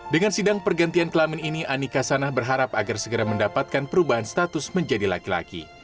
dengan sidang pergantian kelamin ini anika sanah berharap agar segera mendapatkan perubahan status menjadi laki laki